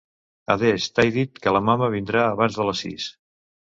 Adés t'hai dit que la mama vindrà abans de les sis.